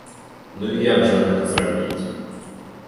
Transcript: Ну і як жа гэта зрабіць?